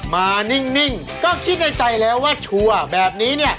มานิ่งก็คิดในใจแล้วว่าชัวร์แบบนี้